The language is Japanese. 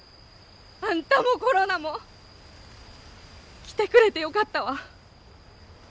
あんたもコロナも来てくれてよかったわ。